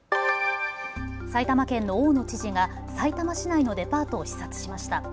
埼玉県の大野知事がさいたま市内のデパートを視察しました。